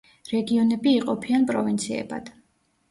რეგიონები იყოფიან პროვინციებად.